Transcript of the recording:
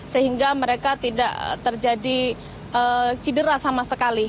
sehingga mereka tidak terjadi cedera sama sekali